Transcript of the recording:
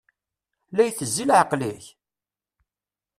La itezzi leɛqel-ik?